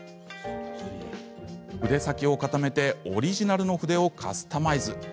筆先を固めてオリジナルの筆をカスタマイズ。